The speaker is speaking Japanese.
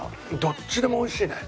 どっちでも美味しいね。